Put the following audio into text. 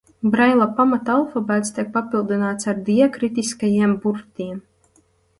Braila pamata alfabēts tiek papildināts ar diakritiskajiem burtiem.